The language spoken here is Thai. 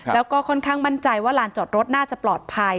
แล้วก็ค่อนข้างมั่นใจว่าลานจอดรถน่าจะปลอดภัย